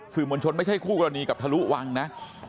มวลชนไม่ใช่คู่กรณีกับทะลุวังนะ